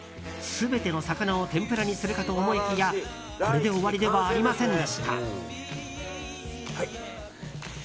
全ての魚を天ぷらにするかと思いきやこれで終わりではありませんでした。